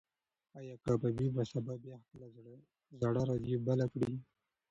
ایا کبابي به سبا بیا خپله زړه راډیو بله کړي؟